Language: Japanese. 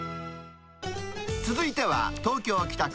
続いては、東京・北区。